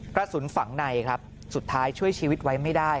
กระสุนฝังในครับสุดท้ายช่วยชีวิตไว้ไม่ได้